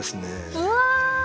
うわ！